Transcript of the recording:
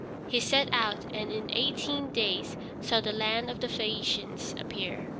He set out and in eighteen days saw the land of the Phæacians appear.